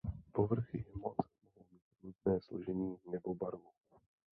Povrchy hmot mohou mít různé složení nebo barvu.